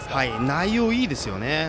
内容がいいですよね。